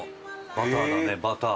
バターだねバター！